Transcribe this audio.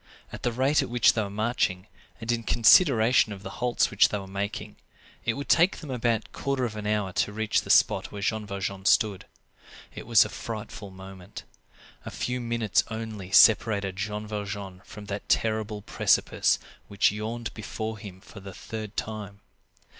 At the rate at which they were marching, and in consideration of the halts which they were making, it would take them about a quarter of an hour to reach the spot where Jean Valjean stood. It was a frightful moment. A few minutes only separated Jean Valjean from that terrible precipice which yawned before him for the third time.